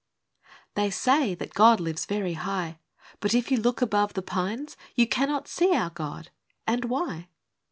^JpHEY say that God lives very high ! But, if you look above the pines, You cannot see our God. And why